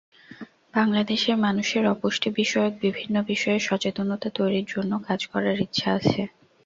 বাংলাদেশের মানুষের অপুষ্টিবিষয়ক বিভিন্ন বিষয়ে সচেতনতা তৈরির জন্য কাজ করার ইচ্ছা আছে।